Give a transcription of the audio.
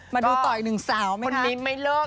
มาดูต่ออีกหนึ่งสาวมั้ยคะ